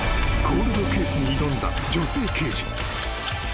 ［コールドケースに挑んだ女性刑事］